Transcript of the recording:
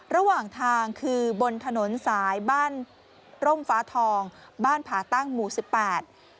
ระหว่างทางคือบนถนนสายบ้านร่มฟ้าทองบ้านผาตั้งหมู่สิบแปด